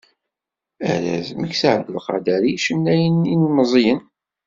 Arraz "Meksa Ɛabdelqader" i yicennayen ilmeẓyen.